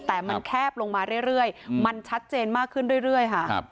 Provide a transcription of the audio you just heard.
แต่มันแคบลงมาเรื่อยมันชัดเจนมากขึ้นเรื่อยค่ะ